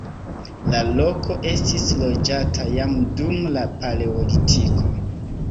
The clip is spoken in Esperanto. La loko estis loĝata jam dum la paleolitiko.